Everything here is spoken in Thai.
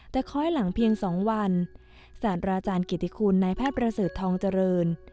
แต่ค้อยหลังเพียง๒วันศาสตราอาจารย์กิติคุณนายแพทย์ประเสริฐทองเจริญ